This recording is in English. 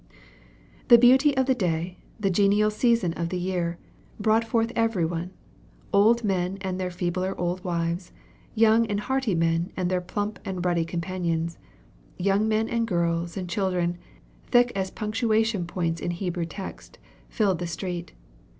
The beauty of the day, the genial season of the year, brought forth every one; old men and their feebler old wives, young and hearty men and their plump and ruddy companions, young men and girls and children, thick as punctuation points in Hebrew text, filled the street.